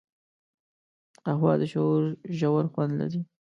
قهوه د شعور ژور خوند لري